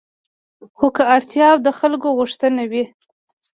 خو که اړتیا او د خلکو غوښتنه وي